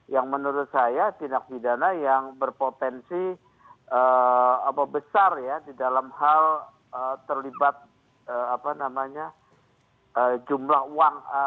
yang menurut saya tindak pidana yang berpotensi besar ya di dalam hal terlibat jumlah uang